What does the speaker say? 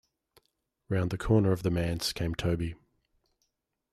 Round the corner of the manse came Toby.